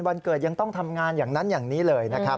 วันเกิดยังต้องทำงานอย่างนั้นอย่างนี้เลยนะครับ